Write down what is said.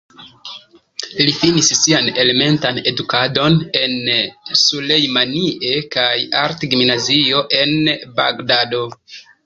li finis sian elementan edukadon en Sulejmanie kaj art-gimnazio, en Bagdado.